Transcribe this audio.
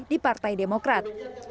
di partai demokrat